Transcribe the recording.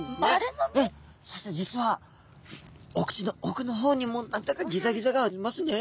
そして実はお口のおくの方にも何だかギザギザがありますね。